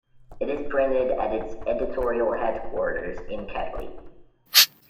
It is printed at its editorial headquarters in Ketley.